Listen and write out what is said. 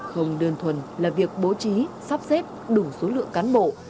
không đơn thuần là việc bố trí sắp xếp đủ số lượng cán bộ